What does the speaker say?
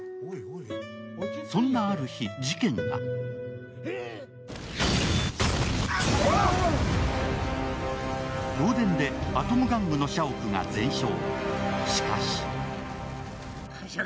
そんなある日、事件が漏電でアトム玩具の社屋が全焼。